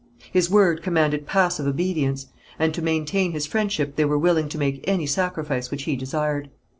His word commanded passive obedience, and to maintain his friendship they were willing to make any sacrifice which he desired.